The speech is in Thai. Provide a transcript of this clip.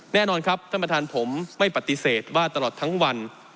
แน่นอนครับท่านประธานผมไม่ปฏิเสธว่าตลอดทั้งวัน